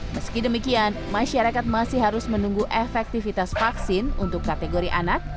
meski demikian masyarakat masih harus menunggu efektivitas vaksin untuk kategori anak